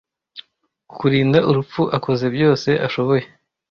kukurinda urupfu akoze byose ashoboye